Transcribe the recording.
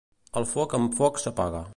El foc amb foc s'apaga.